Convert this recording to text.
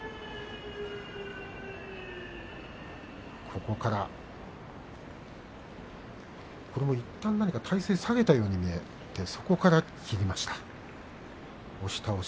途中いったん体勢を下げたように見えましたがそこから切りました。